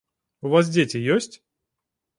У вас дзеці ёсць?